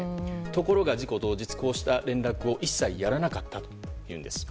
ところが事故当日こうした連絡を一切やらなかったというんです。